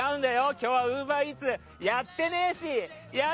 今日はウーバーイーツやってねえし！